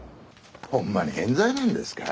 ホンマに冤罪なんですか？